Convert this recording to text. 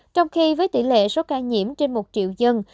trong khi với tỷ lệ số ca nhiễm trên một triệu dân